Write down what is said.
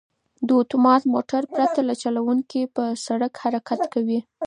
دا اتومات موټر پرته له چلوونکي په سړک حرکت کوي.